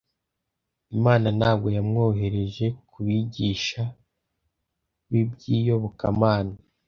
Imana ntabwo yamwohereje ku bigisha b'iby'iyobokamana,